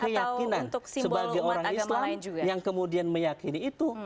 keyakinan sebagai orang islam yang kemudian meyakini itu